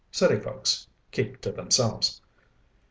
City folks. Keep to themselves."